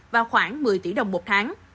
và khoảng một mươi tỷ đồng một tháng